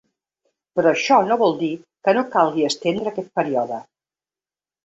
Però això no vol dir que no calgui estendre aquest període.